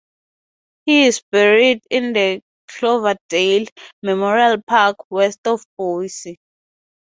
He is buried in the Cloverdale Memorial Park, west of Boise.